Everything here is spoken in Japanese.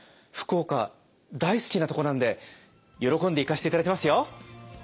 福岡大好きなとこなんで喜んで行かせて頂きますよ。